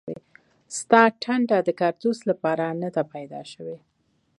ستا ټنډه د کاړتوس لپاره نه ده پیدا شوې